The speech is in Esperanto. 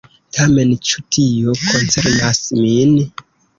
Tamen, ĉu tio koncernas min?